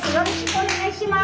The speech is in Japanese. お願いします！